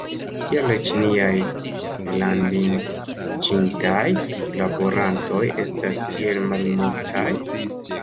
Kial la ĉinaj ellandiĝintaj laborantoj estas tiel malmultaj?